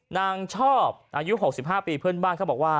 นางชอบอายุ๖๕ปีเพื่อนบ้านเขาบอกว่า